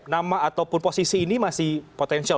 nama ataupun posisi ini masih potensial